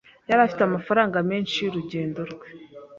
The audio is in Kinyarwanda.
Yari afite amafaranga menshi y'urugendo rwe.